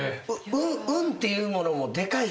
う運っていうものもでかい？